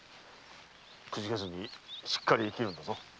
くじけずにしっかり生きるんだぞ。